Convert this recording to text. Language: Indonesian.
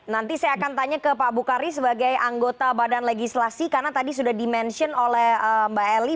nanti saya akan tanya ke pak bukari sebagai anggota badan legislasi karena tadi sudah dimention oleh mbak eli